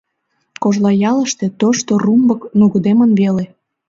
Кожлаялыште тошто румбык нугыдемын веле.